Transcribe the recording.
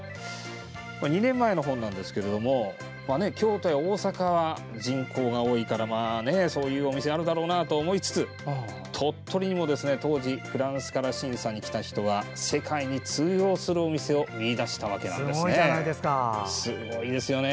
２年前の本なんですが京都や大阪、人口多いからそういうお店あるだろうなと思いつつ鳥取にも当時フランスから審査に来た人が世界に通用するお店を見いだしたんです。